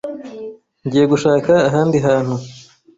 Ngiye gushaka ahandi hantu.